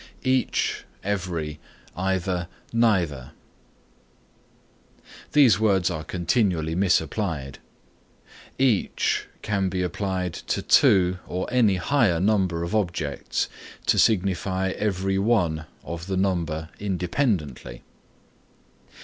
EACH, EVERY, EITHER, NEITHER These words are continually misapplied. Each can be applied to two or any higher number of objects to signify every one of the number independently.